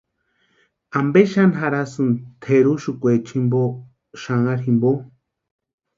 ¿Ampe xani jarhasïni teruxukwechani jimpo, xanharu jumpo?